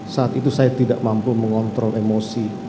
saat itu saya tidak mampu mengontrol emosi